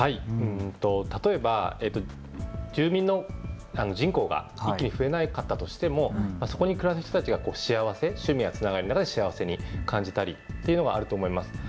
例えば、住民の人口が一気に増えなかったとしてもそこに暮らす人たちが幸せ、趣味やつながりの中で幸せに感じたりっていうのがあると思います。